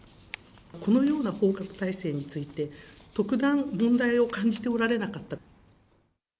このような報告体制について、特段問題を感じておられなかった。